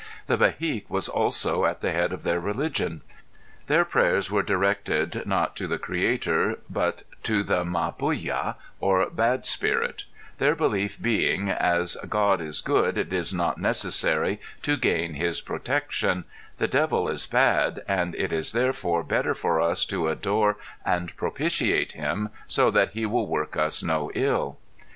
The Behique was also at the head of their religion. Their prayers were directed not to the creator by but to the Mabuya or bad spirit their belief being as "God is good it is not necessary to gain his protection; the devil is bad and it is therefore better for us to adore and propitiate him so that he will work us no ill."